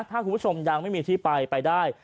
ถ้าคุณผู้ชมยังไม่มีที่ไปไปได้